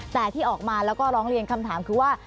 แต่ที่ออกมาแล้วก็ร้องเรียนคำถามคือว่า